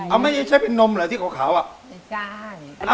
เอ้าไม่ใช่งอกลับนมเหรอที่เกาะขาวอะ